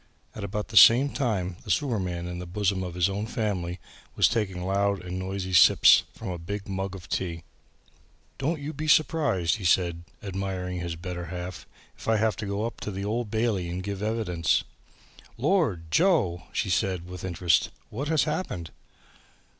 At about the same time the sewerman in the bosom of his own family was taking loud and noisy sips from a big mug of tea. "Don't you be surprised," he said to his admiring better half, "if I have to go up to the Old Bailey to give evidence." "Lord! Joe!" she said with interest, "what has happened!"